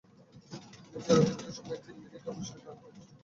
ম্যাচের অতিরিক্ত সময়ে তিন মিনিটে অবশ্য টানা তিনটি সুযোগ তৈরি করেছিল পেরু।